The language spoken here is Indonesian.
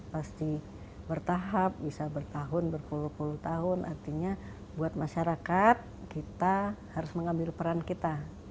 pasti bertahap bisa bertahun berpuluh puluh tahun artinya buat masyarakat kita harus mengambil peran kita